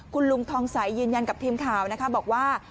คุณลุงทองสัยยืนยันกับทีมข่าวบอกว่า